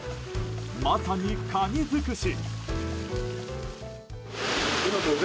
まさにカニ尽くし！